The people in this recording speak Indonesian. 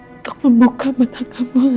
untuk membuka mata kamu lagi